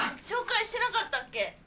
紹介してなかったっけ？